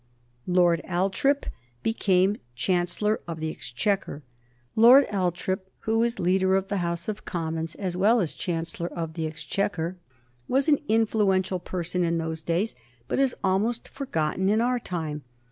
Lord Althorp became Chancellor of the Exchequer. Lord Althorp, who was leader of the House of Commons as well as Chancellor of the Exchequer, was an influential person in those days, but is almost forgotten in our time.